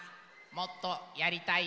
もっとやりたい？